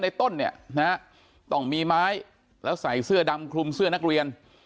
ต้นเนี่ยนะฮะต้องมีไม้แล้วใส่เสื้อดำคลุมเสื้อนักเรียน